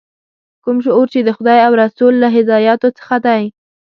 کوم شعور چې د خدای او رسول له هدایاتو څخه دی.